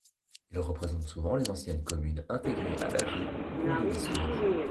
Il représente souvent les anciennes communes intégrées à la ville au cours de l'histoire.